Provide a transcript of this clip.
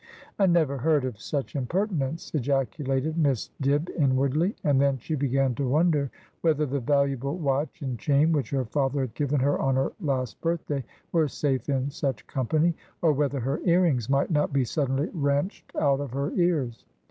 'I never heard of such impertinence!' ejaculated Miss Dibb inwardly ; and then she began to wonder whether the valuable watch and chain which her father had given her on her last birthday were safe in such company, or whether her earrings might not be suddenly wrenched out of her ears.